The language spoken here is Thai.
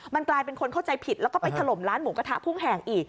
มันกลายเป็นคนเข้าใจผิดแล้วก็ไปถล่มร้านหมูกระทะพุ่งแหงอีก